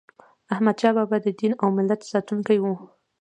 احمدشاه بابا د دین او ملت ساتونکی و.